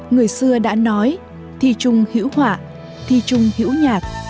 người xưa đã nói thi trung hữu họa thi trung hữu nhạc